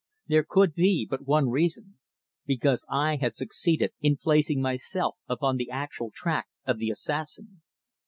There could be but one reason. Because I had succeeded in placing myself upon the actual track of the assassin.